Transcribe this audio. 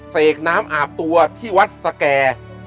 เสกน้ำอาบตัวที่วัดสแก่